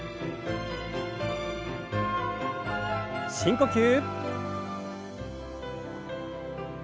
深呼吸。